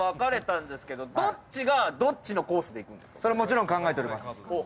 もちろん、考えております。